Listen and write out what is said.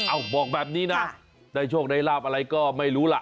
บอกแบบนี้นะได้โชคได้ลาบอะไรก็ไม่รู้ล่ะ